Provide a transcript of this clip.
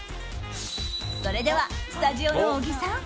それでは、スタジオの小木さん。